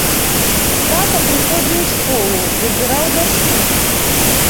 Тата прыходзіў у школу, забіраў дачку.